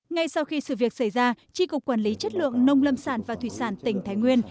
ngay sau khi sự việc xảy ra tri cục quản lý chất lượng nông lâm sản và thủy sản tỉnh thái nguyên